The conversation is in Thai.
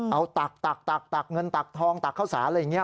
เอาตักตักตักเงินตักทองตักข้าวสารอะไรอย่างนี้